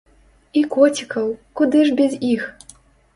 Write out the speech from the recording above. І коцікаў, куды ж без іх!